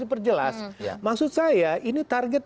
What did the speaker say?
diperjelas maksud saya ini target